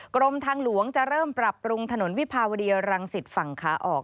กรมทางหลวงจะเริ่มปรับปรุงถนนวิภาวดีรังสิตฝั่งขาออก